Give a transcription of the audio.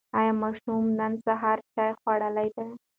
ایا ماشومانو نن سهار چای خوړلی دی؟